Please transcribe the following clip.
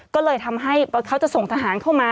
ก็เลยทำให้เขาจะส่งทหารเข้ามา